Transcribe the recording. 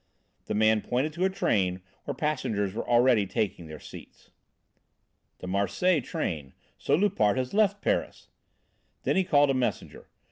The man pointed to a train where passengers were already taking their seats. "The Marseilles train! So Loupart has left Paris!" Then he called a messenger.